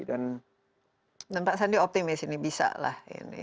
dan mbak sandi optimis ini bisa lah ini